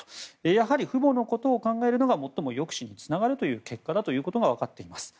やはり父母のことを考えるのが最も抑止につながる結果だというのが分かっています。